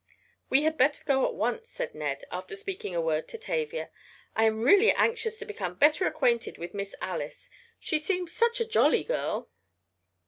"We had better go at once," said Ned, after speaking a word to Tavia. "I am really anxious to become better acquainted with Miss Alice. She seems such a jolly girl."